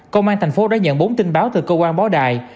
công an tp hcm đã nhận bốn tin báo từ cơ quan bó đài